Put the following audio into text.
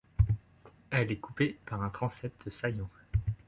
Elle est coupée par un transept saillant.